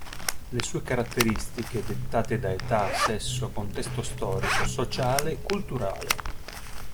Le sue caratteristiche dettate da età, sesso, contesto storico, sociale, culturale.